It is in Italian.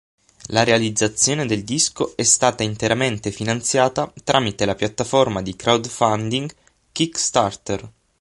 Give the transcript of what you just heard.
La realizzazione del disco è stata interamente finanziata tramite la piattaforma di crowdfunding Kickstarter.